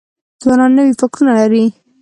ځوانان نوي فکرونه لري.